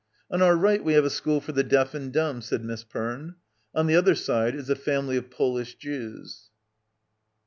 "On our right we have a school for the deaf and dumb," said Miss Perne; "on the other side is a family of Polish Jews."